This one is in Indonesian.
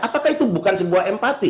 apakah itu bukan sebuah empati